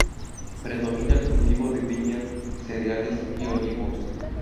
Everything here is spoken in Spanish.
Predomina el cultivo de viña, cereales y olivos.